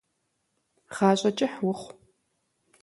Гъащӏэ кӏыхь ухъу.